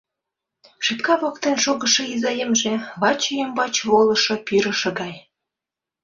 Шепка воктен шогышо изаемже — ваче ӱмбач волышо Пӱрышӧ гай.